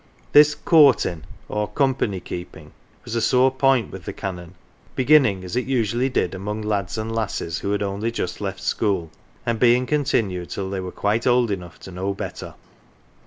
This " courtin 1 " or " company keeping " was a sore point with the Canon, beginning, as it usually did, among lads and lasses who had only just left school, and being continued till they were quite old enough to know better.